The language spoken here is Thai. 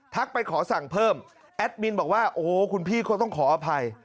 ไปขอสั่งเพิ่มแอดมินบอกว่าโอ้โหคุณพี่เขาต้องขออภัย